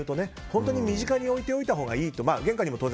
本当に身近に置いておいたほうがいいということですね。